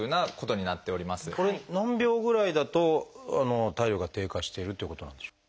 これ何秒ぐらいだと体力が低下しているということなんでしょう？